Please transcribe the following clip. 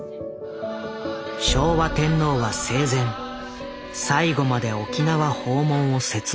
昭和天皇は生前最後まで沖縄訪問を切望していた。